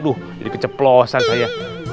duh jadi keceplosan saya